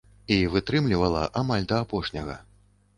І вытрымлівала амаль да апошняга.